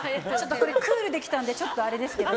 クールで来たのでちょっとあれですけど。